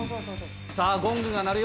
さあ、ゴングが鳴るよ。